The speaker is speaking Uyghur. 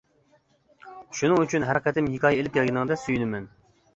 شۇنىڭ ئۈچۈن ھەر قېتىم ھېكايە ئېلىپ كەلگىنىڭدە سۆيۈنىمەن.